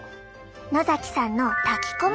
野さんの炊き込みご飯。